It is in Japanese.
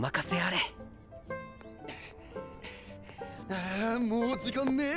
あもう時間ねぇ！